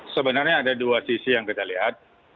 sebenarnya ada dua sisi yang kita lihat